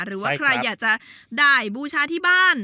หรือว่าใครอยากจะได้บูชาที่บ้าน